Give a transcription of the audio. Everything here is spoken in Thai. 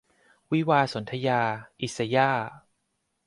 วิวาห์สนธยา - อิสย่าห์